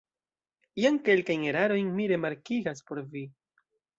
Jen kelkajn erarojn mi remarkigas por vi.